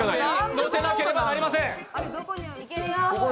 乗せなければなりません。